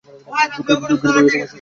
দুঃখের পরেই সুখ আসে।